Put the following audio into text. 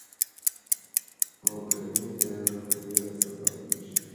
هو، ګرمي د خولې سبب کېږي.